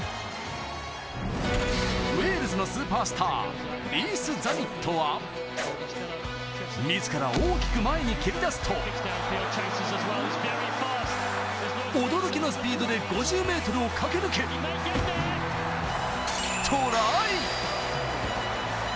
ウェールズのスーパースター、リース＝ザミットは、自ら大きく前に蹴り出すと、驚きのスピードで５０ｍを駆け抜け、トライ！